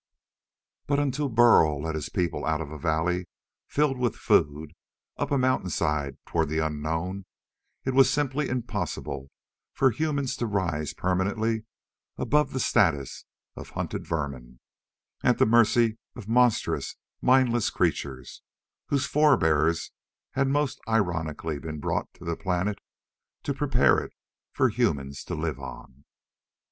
But until Burl led his people out of a valley filled with food, up a mountainside toward the unknown, it was simply impossible for humans to rise permanently above the status of hunted vermin; at the mercy of monstrous mindless creatures; whose forbears had most ironically been brought to this planet to prepare it for humans to live on.